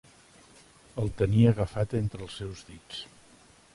El tenia agafat entre els seus dits.